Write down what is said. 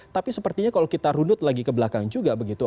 tapi sepertinya kalau kita rundut lagi ke belakang juga begitu